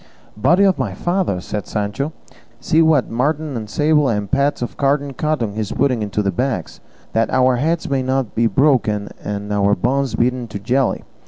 "Body of my father!" said Sancho, "see what marten and sable, and pads of carded cotton he is putting into the bags, that our heads may not be broken and our bones beaten to jelly!